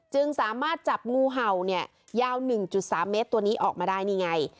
จึงสามารถจับงูเห่าเนี่ยยาว๑๓เมตรตัวนี้ออกมาได้นี่ไง